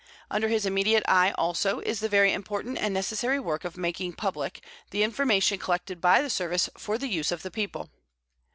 Under his immediate eye also is the very important and necessary work of making public the information collected by the Service for the use of the people.